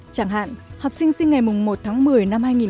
chẳng hạn học sinh sinh ngày một một mươi hai nghìn một mươi một